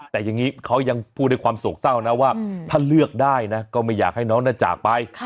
แต่อย่างนี้เขายังพูดด้วยความโศกเศร้านะว่าถ้าเลือกได้นะก็ไม่อยากให้น้องจากไป